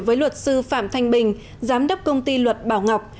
với luật sư phạm thanh bình giám đốc công ty luật bảo ngọc